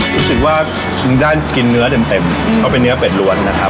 รู้สึกว่ามึงได้กินเนื้อเต็มเพราะเป็นเนื้อเป็ดล้วนนะครับ